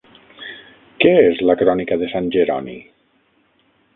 Què és la crònica de sant Jeroni?